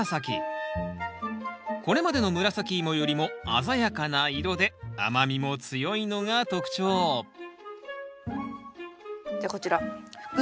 これまでの紫芋よりも鮮やかな色で甘みも強いのが特徴じゃあこちらふくむらさき。